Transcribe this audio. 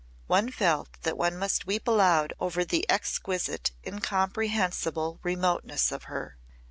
One felt that one must weep aloud over the exquisite incomprehensible remoteness of her.